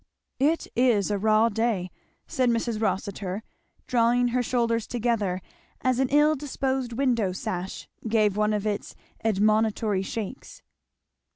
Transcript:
"It is a raw day!" said Mrs. Rossitur, drawing her shoulders together as an ill disposed window sash gave one of its admonitory shakes.